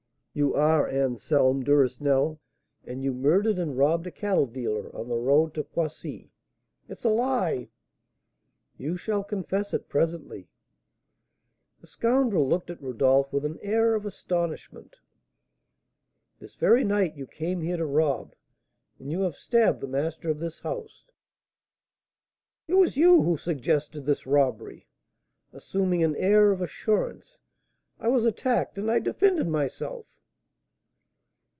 "You are Anselm Duresnel, and you murdered and robbed a cattle dealer on the road to Poissy " "It's a lie!" "You shall confess it presently." The scoundrel looked at Rodolph with an air of astonishment. "This very night you came here to rob, and you have stabbed the master of this house " "It was you who suggested this robbery!" assuming an air of assurance. "I was attacked, and I defended myself."